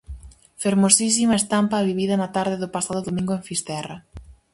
Fermosísima estampa a vivida na tarde do pasado domingo en Fisterra.